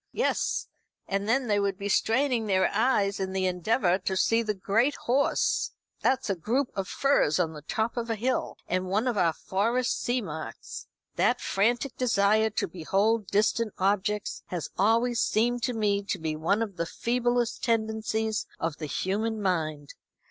"Yes; and then they would be straining their eyes in the endeavour to see the Great Horse that's a group of firs on the top of a hill, and one of our Forest seamarks. That frantic desire to behold distant objects has always seemed to me to be one of the feeblest tendencies of the human mind.